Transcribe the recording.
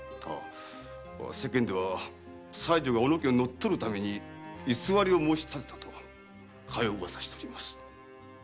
世間では妻女が小野家を乗っ取るために偽りを申し立てたとかよう噂しております。